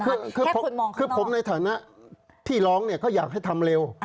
แค่คนมองข้างนอกคือผมในฐานะที่ร้องเนี่ยก็อยากให้ทำเร็ว